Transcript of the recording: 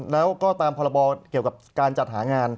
แล้วก็ตามพรบเกี่ยวกับการจัดหางาน